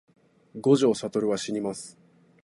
五条悟はしにます